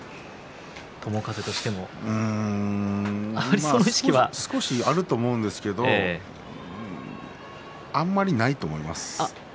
友風としては少しはあると思うんですけどあんまりないと思います。